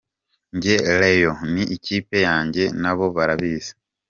Njye Rayon ni ikipe yanjye nabo barabizi.